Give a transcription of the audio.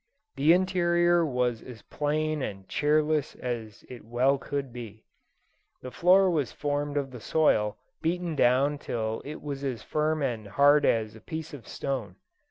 The interior was as plain and cheerless as it well could be. The floor was formed of the soil, beaten down till it was as firm and hard as a piece of stone.